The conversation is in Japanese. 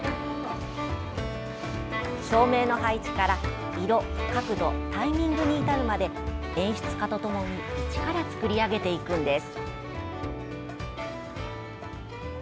照明の配置から色、角度、タイミングに至るまで演出家とともに一から作り上げていくんです。